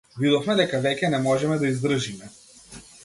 Видовме дека веќе не можеме да издржиме.